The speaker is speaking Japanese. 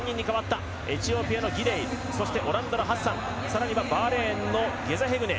エチオピアのギデイオランダのハッサン更にはバーレーンのゲザヘグネ。